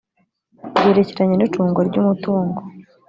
byerekeranye n’icungwa ry’umutungo